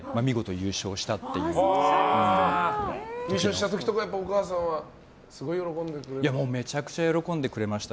優勝した時やっぱりお母さんはすごい喜んでくれました？